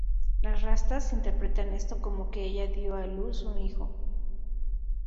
Los rastas interpretan esto como que ella dio a luz un hijo.